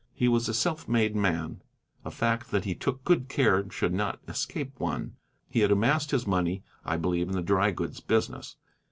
He was a self made man, a fact which he took good care should not escape one, and had amassed his money, I believe, in the dry goods business.